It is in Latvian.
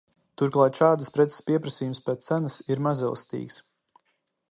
Turklāt šādas preces pieprasījums pēc cenas ir mazelastīgs.